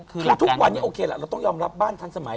คือทุกวันนี้โอเคล่ะเราต้องยอมรับบ้านทันสมัย